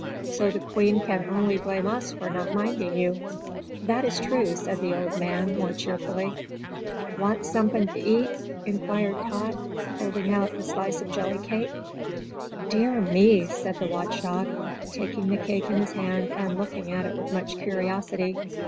So the Queen can only blame us for not minding you." "That is true," said the old man, more cheerfully. "Want somethin' t'eat?" inquired Tot, holding out a slice of jellycake. "Dear me!" said the Watch Dog, taking the cake in his hand and looking at it with much curiosity.